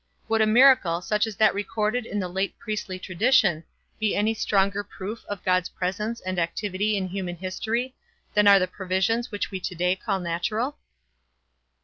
Would a miracle, such as that recorded in the late priestly tradition, be any stronger proof of God's presence and activity in human history than are the provisions which we to day call natural?